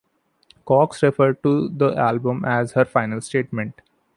Cox referred to the album as her "final statement".